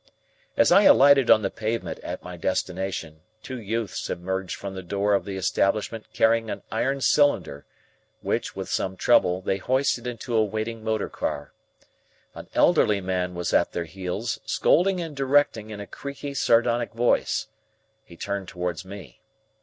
As I alighted on the pavement at my destination, two youths emerged from the door of the establishment carrying an iron cylinder, which, with some trouble, they hoisted into a waiting motor car. An elderly man was at their heels scolding and directing in a creaky, sardonic voice. He turned towards me.